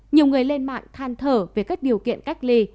nhiều người lên mạng than thở về các điều kiện cách ly